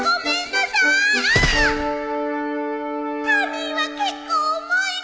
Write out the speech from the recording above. タミーは結構重いの